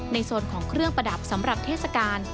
โซนของเครื่องประดับสำหรับเทศกาล